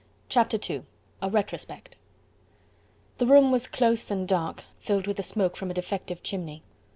Chapter II: A Retrospect The room was close and dark, filled with the smoke from a defective chimney.